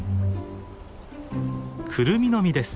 クルミの実です。